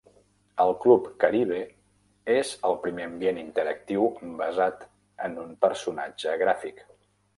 El "Club Caribe" és el primer ambient interactiu basat en un personatge gràfic.